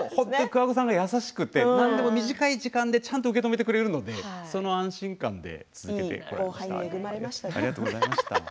桑子さんが優しくて短い時間でちゃんと受け止めてくれるのでその安心感で続けてこられました。